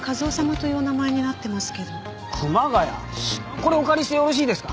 これお借りしてよろしいですか？